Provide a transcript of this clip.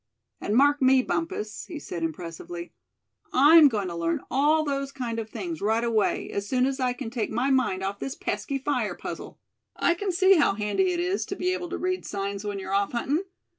"And mark me, Bumpus," he said impressively, "I'm going to learn all those kind of things right away, as soon as I can take my mind off this pesky fire puzzle. I c'n see how handy it is to be able to read signs when you're off huntin'.